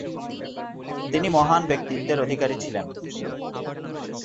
তিনি মহান ব্যক্তিত্বের অধিকারী ছিলেন।